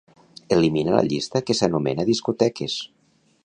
Elimina la llista que s'anomena "discoteques".